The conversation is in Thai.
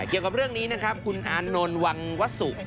เกี่ยวกับเรื่องนี้นะครับคุณอานนท์วังวสุ